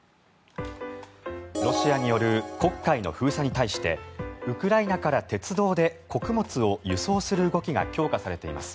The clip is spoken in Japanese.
ロシアによる黒海の封鎖に対してウクライナから鉄道で穀物を輸送する動きが強化されています。